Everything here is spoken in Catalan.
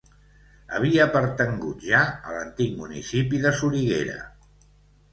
Havia pertangut ja a l'antic municipi de Soriguera.